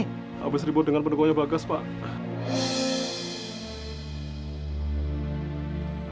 habis ribut dengan pendukungnya bagas pak